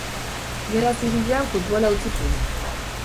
Gerra Zibilean futbola utzi zuen.